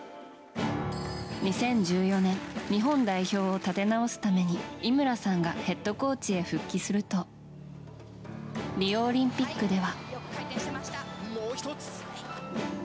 ２０１４年日本代表を立て直すために井村さんがヘッドコーチに復帰するとリオオリンピックでは。